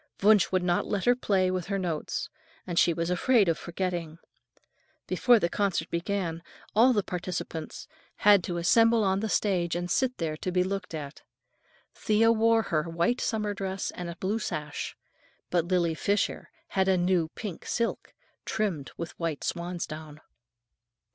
Wunsch would not let her play with her notes, and she was afraid of forgetting. Before the concert began, all the participants had to assemble on the stage and sit there to be looked at. Thea wore her white summer dress and a blue sash, but Lily Fisher had a new pink silk, trimmed with white swansdown.